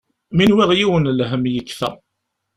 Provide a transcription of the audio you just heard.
Mi nwiɣ yiwen n lhem yekfa.